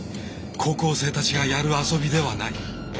高校生たちがやる遊びではない。